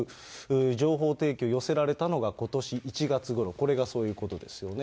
情報提供が寄せられたのがことし１月ごろ、これがそういうことですよね。